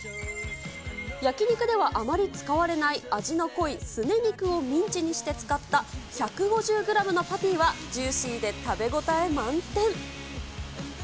焼き肉ではあまり使われない味の濃いすね肉をミンチにして使った１５０グラムのパティはジューシーで食べ応え満点。